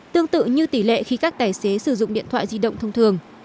tương tự như tỷ lệ khi các tài xế sử dụng điện thoại di động thông thường